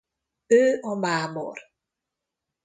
Ő a mámor.